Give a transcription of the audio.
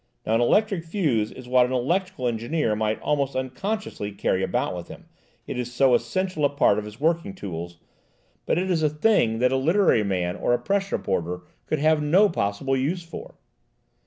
Now, an electric fuse is what an electrical engineer might almost unconsciously carry about with him, it is so essential a part of his working tools, but it is a thing that a literary man or a press reporter could have no possible use for."